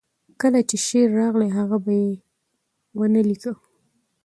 کله چې شعر راغی، هغه به یې نه ولیکه.